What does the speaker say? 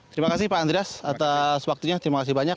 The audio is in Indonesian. terima kasih pak andreas atas waktunya terima kasih banyak